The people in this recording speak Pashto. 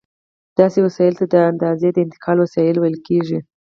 داسې وسایلو ته د اندازې د انتقال وسایل ویل کېږي.